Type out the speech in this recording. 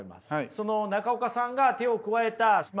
その中岡さんが手を加えた今のゾウ。